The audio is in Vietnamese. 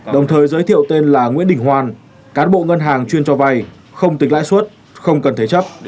đồng thời giới thiệu tên là nguyễn đình hoan cán bộ ngân hàng chuyên cho vay không tính lãi suất không cần thế chấp